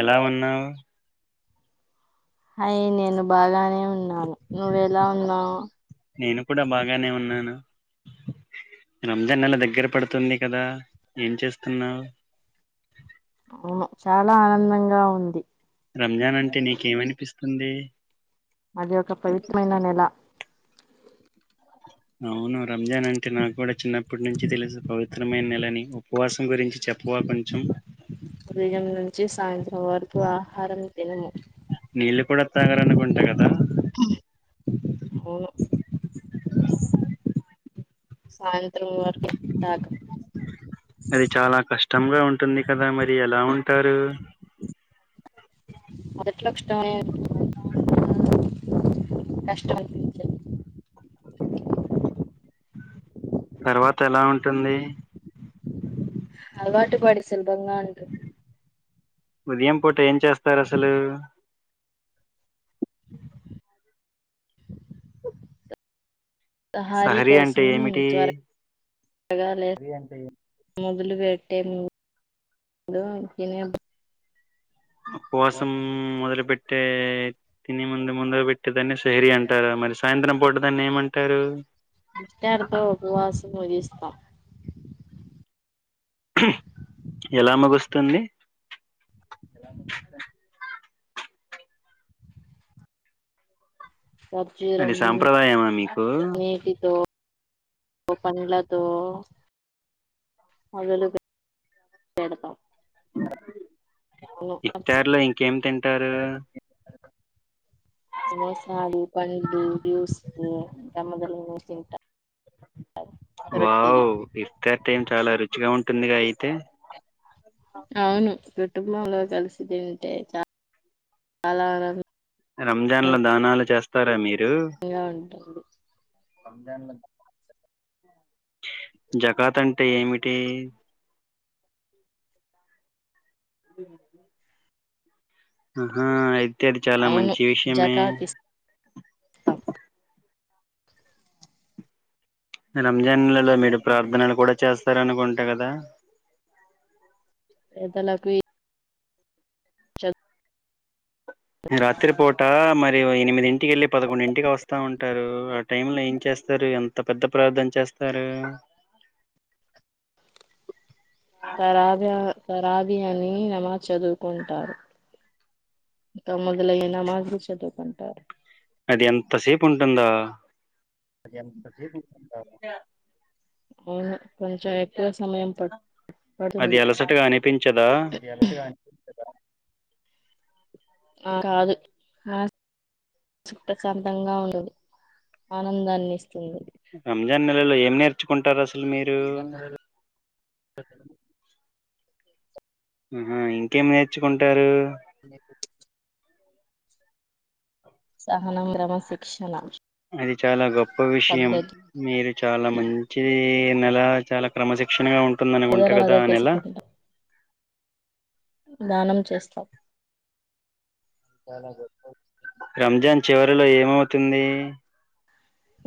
ఎలా ఉన్నావు హాయ్ నేను బాగానే ఉన్నా ను నువ్వు ఎలా ఉన్నావ్. నేను కూడా బాగానే ఉన్నాను రంజాన్ నెల దగ్గర పడుతుంది కదా ఏం చేస్తున్నావ్. అవును చాలా ఆనందంగా ఉంది. రంజాన్ అంటే నీకేమనిపిస్తుంది. అది ఒక పవిత్రమైన నెల. అవును రంజాన్ అంటే నాకూడా చిన్నప్పటి నుంచి తెలుసు పవిత్రమైన నెలని ఉపవాసం గురించి చె ప్పవా కొంచం చి సాయంత్రం వరకు ఆహారం తినము. నీళ్ళు కూడా తాగరనుకుంటా కదా. అవును సాయంత్రం వరకు తాగం. అది చాలా కష్టంగా ఉంటుంది కదా మరి ఎలా ఉం మొదట్లో కష్టమే [inaudible] కష్టం అనిపించదు. తర్వాత ఎలా ఉంటుంది. అలవాటు పడి సులభంగా ఉంటుంది. ఉదయం పూట ఏం చేస్తారు అసలు తహారీ సహరీ అంటే కోసం ఏమిటి త్వర గా లేస్ మొదలు పెట్టే ముం దు తినే ఉపవాసం మొదలుపెట్టే తినే ముందు ముందుర పెట్టేదాన్ని సెహరి అంటారా, మరి సాయంత్రం పూటదాన్ని ఏమంటారు. ఇఫ్తార్తో ఉపవాసం ముగిస్తాం. ఎలా ముగుస్తుంది ఎలా ముగిస్తార్ అది సాంప్రదాయమా మీ ఏటిదో ఓ పంలతో మొదలగు [unintelligible] అవును, ఇఫ్తార్లో ఇంకేమి తింటారు సమోసాలు పండ్లు జ్యూసులు ఇంగ మొదలగు తింటాం రొట్టెలు వావ్ ఇఫ్తార్ టైం చాలా రుచిగా ఉంటుందిగా అయితే అవును కుటుంబంలో కలిసి తింటే చ అలా గాదు రంజాన్ లో దానాలు చేస్తారా మీరు ఇగా ఉంటుంది జకాత్ అంటే ఏమిటి? ఉ ఆహా అయితే అది చాలా అవును మంచి విషయమే జకాత్ ఇస్తాం రంజాన్ నెలలో మీరు ప్రార్థనలు కూడా చేస్తారనుకుంట కదా పేదలకు చల్ ఈ రాత్రి పూట మరి ఎనిమిదింటికెళ్ళి పదకొండింటికి వస్తా వస్తా ఉంటారు ఆ టైమ్ లో ఏం చేస్తారు ఎంత పెద్ద ప్రార్థన చేస్తారు [inaudible] పరాగ పరాగి అని నమాజ్ చదువుకుంటారు ఇంక మొదలగు నమాజ్ లు చదువుకుంటారు అది ఎంతసేపు ఉంటుందా అది ఎంత సేపు ఉంటుందా ఇంకా అవును కొంచెం ఎక్కు ఎక్కువ సమయం అది పడుతుంది అలసటగా అనిపించదా అ కాదు ఆ ప్రశాంతంగా ఉండదు ఆనందాన్ని ఇస్తుంది రంజాన్ నెలలో ఏం నేర్చుకుంటారు అసలు మీరు [inaudible] ఆహ ఇంకేమి నేర్చుకుంటారు [inaudible] సహనం క్రమశిక్షణ అది చాలా గొప్ప విషయం పద్ధతి మీరు చాలా మంచిది నెల చాలా క్రమశి శిక్షణగా పేదల ఉంటుందనుకుంటా బాధ కదా ఆ నెలా తెలుసుకుంటాం దానం చేస్తాం చాల గొప్ప విషయం రంజాన్ చివరిలో ఏమవుతుంది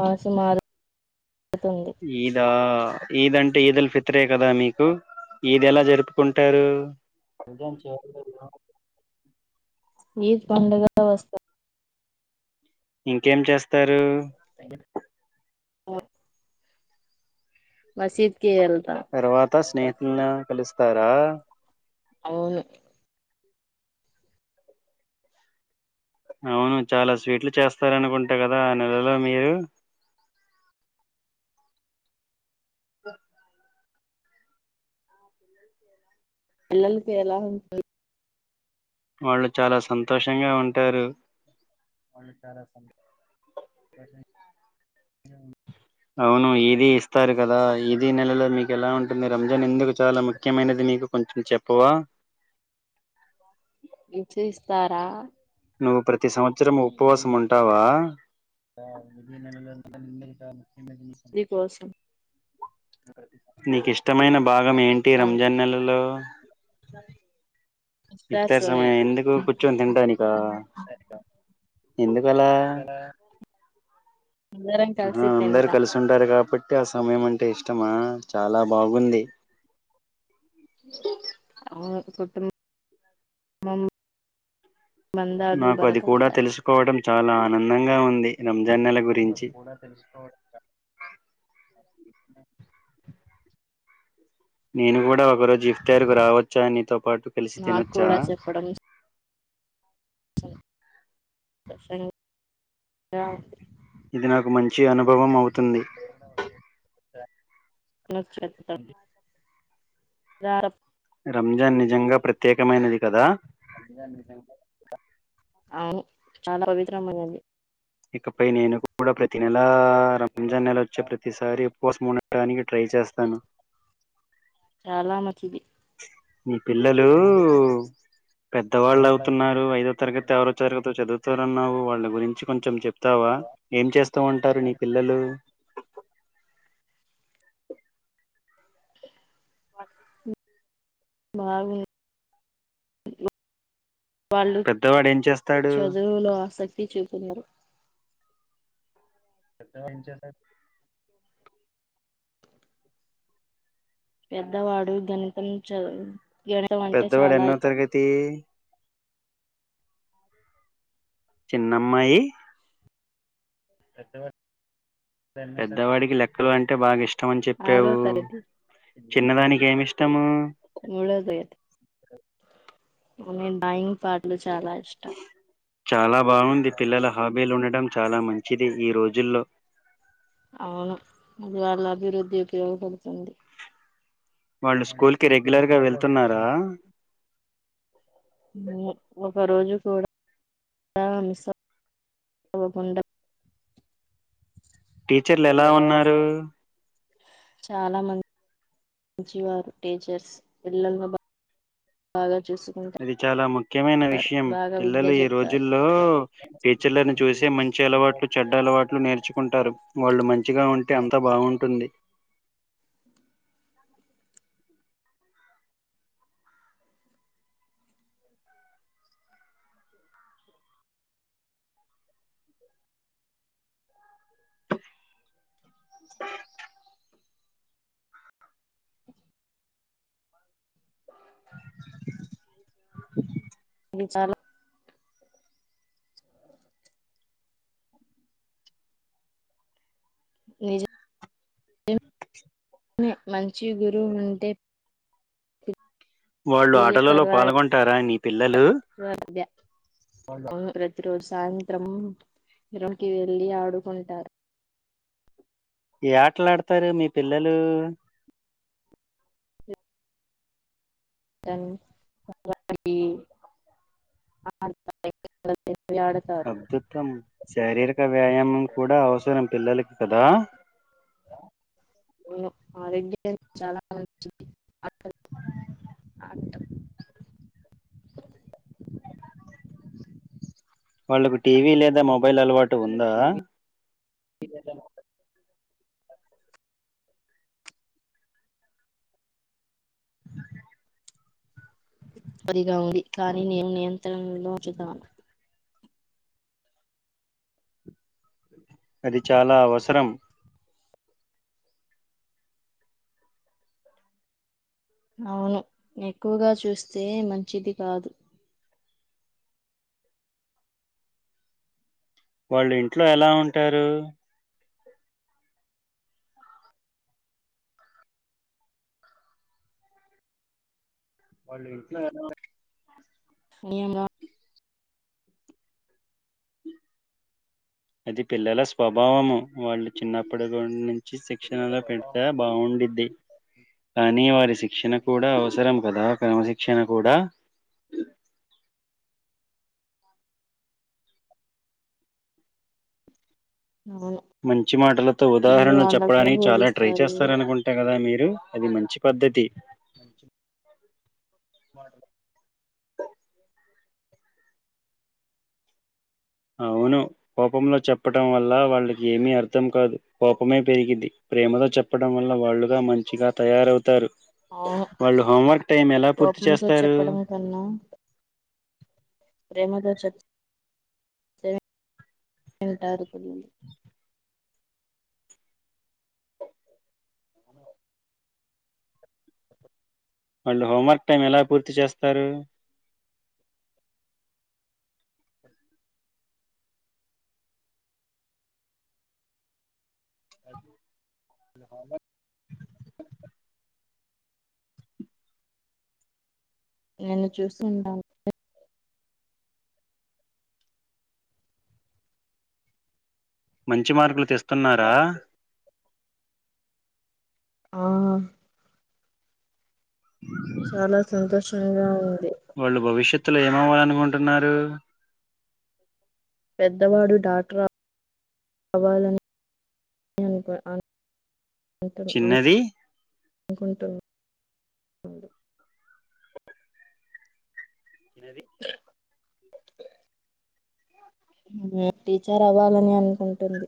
మనసు మారుతుంది ఈదా ఈద్ అంటే ఈద్ల్ ఫిత్రే కదా మీకు ఈద్ ఎలా జరుపుకుంటారు రంజాన్ చివర్లో ఏం అవుతుంది ఈదు పండగా వస్త ఇంకేం చేస్తా [unintelligible] మసిద్ తర్వాత స్నేహితుల్లను కలుస్తారా అవును [inaudible] అవును చాలా స్వీట్లు చేస్తారనుకుంటా కదా ఆ నెలలో మీరు [inaudible] [inaudible] పిల్లలకి ఎలా ఉంటుందో వాళ్ళు చాలా సంతోషంగా ఉంటారు [unintelligible] [unintelligible] అవును ఈది ఇస్తారు కదా ఈది నెలలో మీకు ఎలా ఉం టుందో రంజాన్ ఎందుకు చాలా ముఖ్యమైనది మీకు కొంచం చెప్పవా ఏం చేస్తారా నువ్వు ప్రతి సంవత్సరం అవును ఈది ఉపవాసం ఇస్తారు ఉంటావా కదా ఈది నెలలో [unintelligible] ని కోస్రం నీకు ఇష్టమైన భాగం ఏంటి రంజాన్ నెలలో ఇస్తారు ఇఫ్తార్ సోనియా సమయం ఎందుకు కూర్చొని తింటానిక ఎందుకలా అందరం కలిసి ఆ అందరు తింటాం కలిసి ఉంటారు కాబ్బ ట్ ఆ సమయం అంటే ఇష్టమా చాలా బాగుంది అవును కుటుంబం నాకు అది కూడా తెలుసుకోవడం చాలా ఆనందంగా ఉంది రంజాన్ నెల నాకు గురించి అది కూడా తెలుసుకోవడం చా నేను కూడా ఒక రోజు ఇఫ్తార్కు రావచ్చా నీతో పాటు కలిసి నాకు తినొచ్చా కూడా చెప్పడం కషంగ్ రా ఇది నాకు మంచి అనుభవం అవుతుంది [inaudible] రా రంజాన్ నిజంగా ప్రత్యేకమైనది కదా అవును చాలా పవిత్రమైనది ఇకపై నేను కూడా ప్రతి నెల రంజాన్ నెల వచ్చే ప్రతిసారి ఉపవాసం ఉండనికి ట్రై చేస్తాను చాలా మంచిది మీ పిల్లలు పెద్దవాళ్ళు అవుతున్నారు ఐదో తరగతి ఎవరో తరగతి చదువుతారున్నావు వాళ్ళ గురించి కొం చెప్తావా ఏం చేస్తూ ఉంటారు నీ పిల్లలు బాగు [unintelligible] వాళ్ళు పెద్దవాడు ఏం చేస్తాడు చదువులో ఆసక్తి చూపున్నారు పెద్ద వాడు ఏం చేసావ్ పెద్దవాడు గణితం చదువు గణితం అంటే పెద్దవాడు చాలా ఎన్నో ఇష్టం తరగతి చిన్నమ్మాయి పెద్ద వాడ్ పెద్దవాడికి లెక్కలు అంటే బాగా ఇష్టమని ఆరో చెప్పావు తరగతి చిన్నదానికి ఏమి ఇష్టము మూడో తరగతి ఆమె బాయింగ్ ప్యాడ్ లు చాలా ఇష్టం చాలా బాగుంది పిల్లల హాబీలు ఉండడం చాలా మంచిది ఈ రోజుల్లో అవును అదివల్ల అభివృద్ధి ఉపయోగపడుతుంది వాళ్ళు స్కూల్ కి రెగ్యులర్ గా వెళ్తున్నారా హ్మ్ ఒక రోజు కూడా చాలా మిస్ అవకుండా టీచర్లు ఎలా ఉన్నారు చాలా మంచి వారు టీచర్స్ అగ ఇది చాలా ముఖ్యమైన విషయం బాగా విద్య పిల్లలు ఈ చెప్తారు రోజుల్లో టీచర్లను చూసి మంచి అలవాట్లు చెడ్డ అలవాట్లు నేర్చుకుంటారు వాళ్ళు మంచిగా ఉంటే అంత బాగుంటుంది అ చాలా నిజే మంచి గురు ఉంటే వాళ్ళు ఆటలలో పాల్గొంటారా అని స అద [unintelligible] ప్రతి రోజు సాయంత్రం నిరంకి వెళ్ళి ఆడుకుంటారు ఏ ఆటలాడతారు మీ పిల్లలు దానికి ఆడవి ఆడతారు అద్భుతం శారీరక వ్యాయామం కూడా అవసరం పిల్లలకి కదా అవును ఆరోగ్యనికి చాలా మంచిది వాళ్ళకు టీవీ లేదా మొబైల్ అలవాటు ఉందా చ అదిగా ఉంది కానీ నేను నియంత్రణలో చుతాను అది చాలా అవసరం అవును ఎక్కువగా చూస్తే మంచిది కాదు వాళ్ళు ఇంట్లో ఎలా ఉంటారు వా ఇ [inaudible] అది పిల్లల స్వభావము వాళ్ళు చిన్నప్పటి నుంచి శిక్షణలో పెడితే బాగుండిద్డి కానీ వారి శిక్షణ కూడా అవసరం కదా క్రమశిక్షణ కూడా అ అవును మంచి మాటలతో మీరు ఉదాహరణలు వాళ్ళకి చెప్పడానికి చాలా ట్రై బోధిస్తారు చేస్తారనుకుంటే కదా మీరు అది మంచి పద్ధతి మంచి మ అవును కోపంలో చెప్పటం వల్ల వాళ్ళకి ఏమీ అర్థం కాదు కోపమే పెరిగింది ప్రేమతో చెప్పడం వల్ల వాళ్ళుగా మంచిగా తయారవుతారు అవును వాళ్ళు హోంవర్క్ టైం ఎలా పూర్తి కోపంతో చేస్తారు చెప్పడం ప్రేమగా చెప్పితే వింటారు అ వాళ్ళు హోంవర్క్ టైం ఎలా పూర్తి చేస్తారు నేను చూసు ఉంటాను మంచి మార్కులు తెస్తున్నారా ఆ చాలా సంతోషంగా ఉ వాళ్ళు భవిష్యత్తులో ఏమవ్వాలనుకుంటున్నారు పెద్దవాడు డాక్టర్ కావాలని చిన్నది అనుకుంటు చిన్నది టీచర్ అవ్వాలని అనుకుంటుంది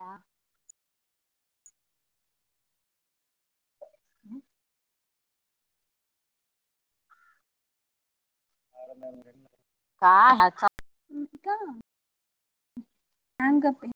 ఆ అ కా హాట్సాఫ్ ఇంకా హ్యాంగ్ అప్పే